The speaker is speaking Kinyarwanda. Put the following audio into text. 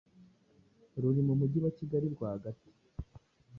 ruri mu mujyi wa Kigali rwagati